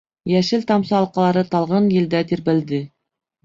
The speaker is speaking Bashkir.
Йәшел тамсы алҡалары талғын елдә тирбәлде.